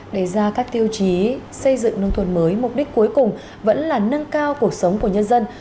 để ra các tiêu chí xây dựng nông thôn mới mục đích cuối cùng vẫn là nâng cao cuộc sống của nhân dân